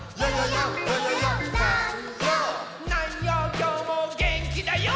きょうもげんきだＹＯ！」